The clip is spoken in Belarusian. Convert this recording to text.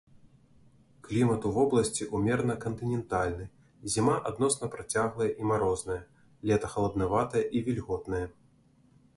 Клімат у вобласці ўмерана кантынентальны, зіма адносна працяглая і марозная, лета халаднаватае і вільготнае.